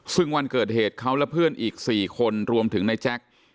ซึ่งวันเกิดเหตุเขาและเพื่อนอีก๔คนรวมถึงในแจ็ค